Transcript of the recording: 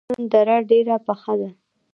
د پغمان دره ډیره یخه ده